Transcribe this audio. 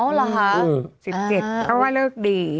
อ๋อหรอค่ะอืม๑๗เขาว่าเลิกดี